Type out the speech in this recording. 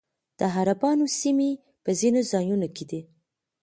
د عربانو سیمې په ځینو ځایونو کې دي